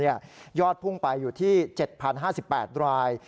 ยอดพุ่งไปอยู่ที่๗๐๕๘ราย